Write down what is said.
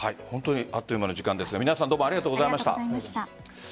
あっという間に時間ですが皆さん、どうもありがとうございました。